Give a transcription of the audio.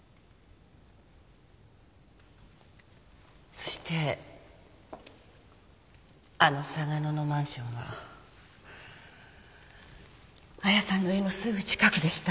そしてあの嵯峨野のマンションは亜矢さんの家のすぐ近くでした。